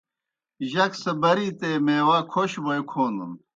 جک سہ بَرِیتے میواہکھوْݜ بوئے کھونَن۔